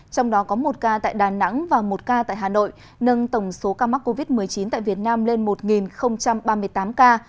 trong đó có một ca tại đà nẵng và một ca tại hà nội nâng tổng số ca mắc covid một mươi chín tại việt nam lên một ba mươi tám ca